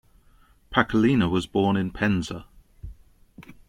Pakhalina was born in Penza.